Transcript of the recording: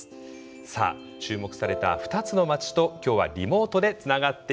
さあ注目された２つの町と今日はリモートでつながっています。